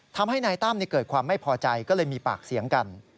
ทำให้นายตั้มเกิดความไม่พอใจก็เลยมีปากเสียงกัน